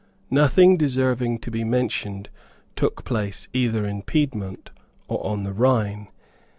Nothing deserving to be mentioned took place either in Piedmont or on the Rhine.